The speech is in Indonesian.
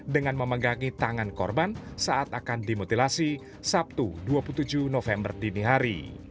dengan memegangi tangan korban saat akan dimutilasi sabtu dua puluh tujuh november dini hari